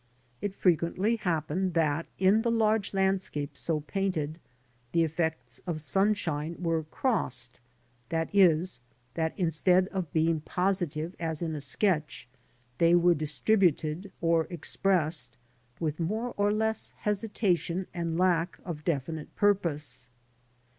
It frequently happened that, in the large landscapes so painted, the effects of sunshine were crossed, that is, that instead of being positive as in a sketch, they were distributed or expressed with more or less hesitation and lack of definite purpose.